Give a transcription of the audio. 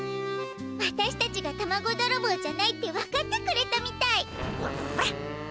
わたしたちがタマゴどろぼうじゃないって分かってくれたみたい。